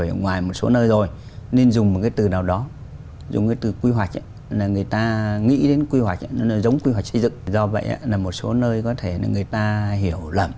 và một số các cơ quan có thể hiểu lầm